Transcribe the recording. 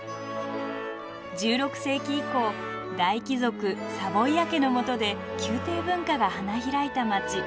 １６世紀以降大貴族サヴォイア家のもとで宮廷文化が花開いた街。